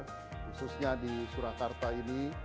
khususnya di surakarta ini